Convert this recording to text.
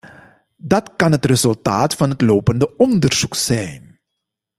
Dat kan het resultaat van het lopende onderzoek zijn.